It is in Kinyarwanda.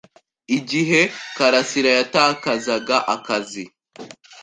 Igihe karasira yatakazaga akazi,